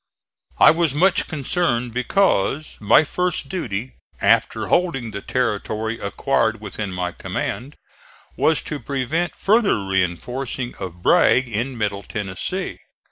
I was much concerned because my first duty, after holding the territory acquired within my command, was to prevent further reinforcing of Bragg in Middle Tennessee.